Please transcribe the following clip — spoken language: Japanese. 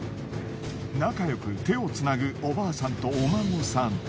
仲よく手をつなぐおばあさんとお孫さん。